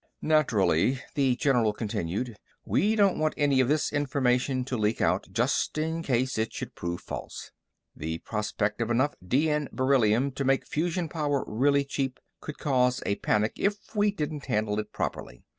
"Naturally," the general continued, "we don't want any of this information to leak out, just in case it should prove false. The prospect of enough D N beryllium to make fusion power really cheap could cause a panic if we didn't handle it properly.